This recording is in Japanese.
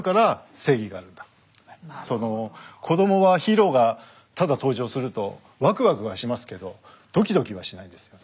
その子どもはヒーローがただ登場するとワクワクはしますけどドキドキはしないんですよね。